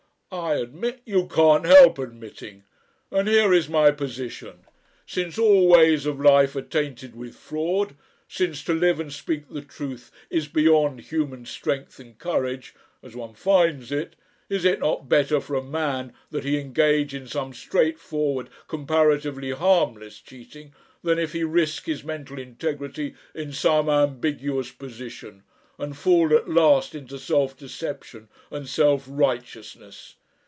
"I admit " "You can't help admitting. And here is my position. Since all ways of life are tainted with fraud, since to live and speak the truth is beyond human strength and courage as one finds it is it not better for a man that he engage in some straightforward comparatively harmless cheating, than if he risk his mental integrity in some ambiguous position and fall at last into self deception and self righteousness?